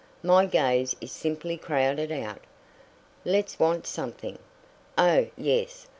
My gaze is simply crowded out. Let's want something. Oh, yes.